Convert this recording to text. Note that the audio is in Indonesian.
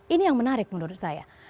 ini yang menarik menurut saya